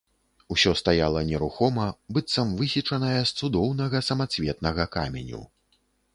Усё стаяла нерухома, быццам высечанае з цудоўнага самацветнага каменю.